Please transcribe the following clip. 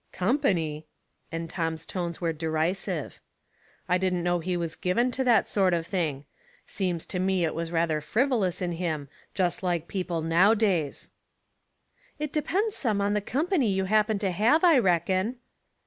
*' Company !" and Tom's tones were derisive. "I didn't know he was given to that sort of thing. Seems to me it was rather frivolous in him, just like people now days." " It depends some on the company you happen to have, I reckon."